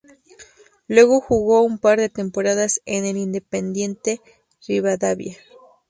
Luego jugó un par de temporadas en el Independiente Rivadavia.